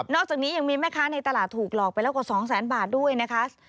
อกจากนี้ยังมีแม่ค้าในตลาดถูกหลอกไปแล้วกว่า๒แสนบาทด้วยนะคะ